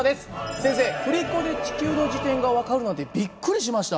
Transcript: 先生振り子で地球の自転が分かるなんてびっくりしました。